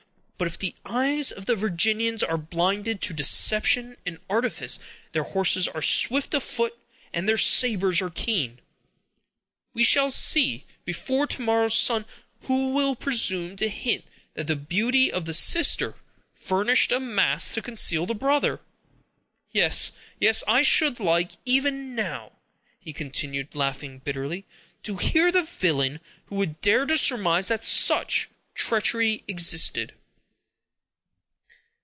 But if the eyes of the Virginians are blinded to deception and artifice, their horses are swift of foot, and their sabers keen. We shall see, before to morrow's sun, who will presume to hint that the beauty of the sister furnished a mask to conceal the brother! Yes, yes, I should like, even now," he continued, laughing bitterly, "to hear the villain who would dare to surmise that such treachery existed!"